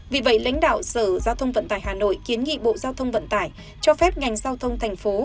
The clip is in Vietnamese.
vì vậy lãnh đạo sở giao thông vận tải hà nội kiến nghị bộ giao thông vận tải cho phép ngành giao thông thành phố